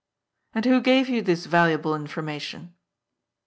" And who gave you this valuable information